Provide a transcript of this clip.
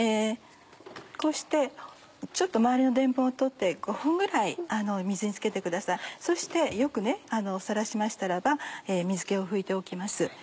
こうしてちょっと周りのでんぷんを取って５分ぐらい水につけてくださいそしてよくさらしましたらば水気を拭いておきます。